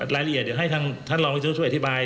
รายละเอียดเดี๋ยวให้ท่านรองนักศึกษาช่วยอธิบาย